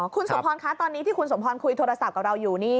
คุณสมพรคะตอนนี้ที่คุณสมพรคุยโทรศัพท์กับเราอยู่นี่